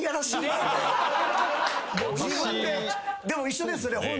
でも一緒ですね